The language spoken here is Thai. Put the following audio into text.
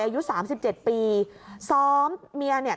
อายุ๓๗ปีซ้อมเมียเนี่ย